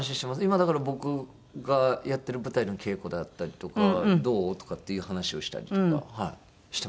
今だから僕がやってる舞台の稽古であったりとか「どう？」とかっていう話をしたりとかしてますかねはい。